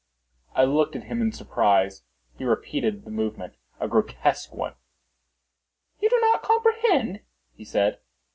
I looked at him in surprise. He repeated the movement—a grotesque one. "You do not comprehend?" he said.